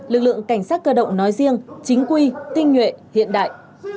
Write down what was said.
lực lượng cảnh sát cơ động nói riêng chính quy tinh nhuệ hiện đại